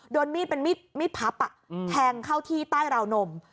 โดนมีดเป็นมีดพับแทงเข้าที่ใต้ราวนม